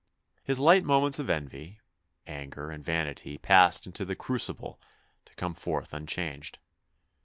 His light moments of envy, anger, and vanity passed into the crucible to come forth un changed.